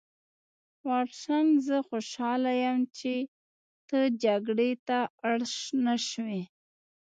واټسن زه خوشحاله یم چې ته جګړې ته اړ نشوې